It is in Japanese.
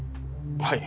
はい。